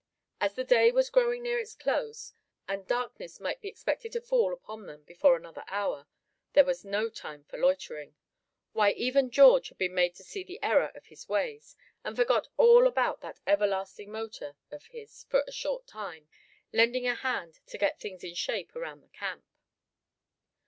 As the day was growing near its close and darkness might be expected to fall upon them before another hour, there was no time for loitering. Why, even George had been made to see the error of his ways, and forgot all about that everlasting motor of his for a short time, lending a hand to get things in shape around the camp.